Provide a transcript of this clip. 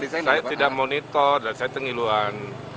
saya tidak monitor dan saya pengiluan